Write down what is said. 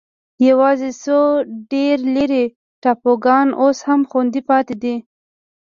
یوازې څو ډېر لرې ټاپوګان اوس هم خوندي پاتې دي.